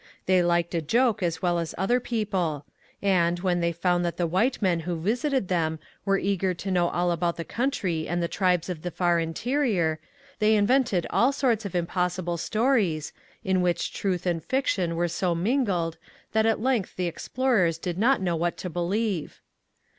They liked a joke as well as other people; and, when they found that the white men who visited them were eager to know all about the country and the tribes of the far interior, they invented all sorts of impossible stories, in which truth and fiction were so mingled that at length the explorers did not know what to believe.